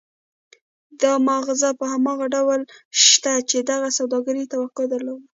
دا مغازه په هماغه ډول شته چې دغه سوداګر يې توقع درلوده.